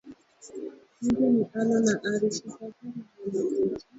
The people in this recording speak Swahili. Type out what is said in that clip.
Mtu ni alo na ari, shika sana mwana kwetu